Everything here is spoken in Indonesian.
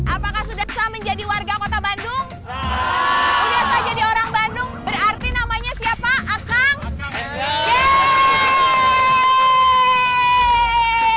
apakah sudah bisa menjadi warga kota bandung